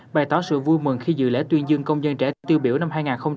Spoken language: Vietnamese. bày tỏ sự vui mừng khi dự lễ tuyên dương công dân trẻ tiêu biểu năm hai nghìn hai mươi